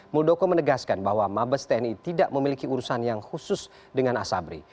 muldoko menegaskan bahwa mabes tni tidak memiliki urusan yang khusus dengan asabri